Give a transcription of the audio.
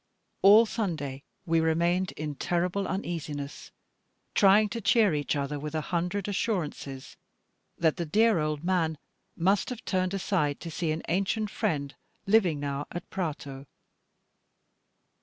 All Sunday we remained in terrible uneasiness, trying to cheer each other with a hundred assurances that the dear old man must have turned aside to see an ancient friend living now at Prato.